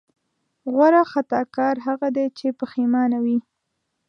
غوره خطاکار هغه دی چې پښېمانه وي.